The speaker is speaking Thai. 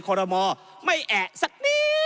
ขอรมอไม่แอะสักนิด